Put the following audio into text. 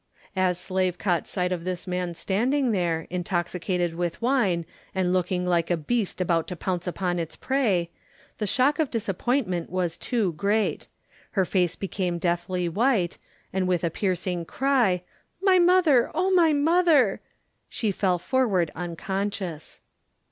As Slave caught sight of this man standing there, intoxicated with wine, and looking like a beast about to pounce upon its prey, the shock of disappointment was too great. Her face became deathly white, and with a piercing cry,—"My mother, oh my mother," she fell forward unconscious.